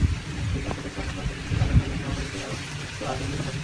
যুক্তরাষ্ট্রের টেক্সাস অঙ্গরাজ্যে নতুন করে আঘাত হানা টর্নেডোতে আরও অন্তত আটজন নিহত হয়েছে।